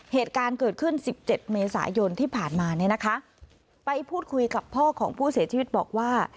เหตุการณ์เกิดขึ้นสิบเจ็ดเมษายนที่ผ่านมาเนี่ยนะคะไปพูดคุยกับพ่อของผู้เสียชีวิตบอกว่า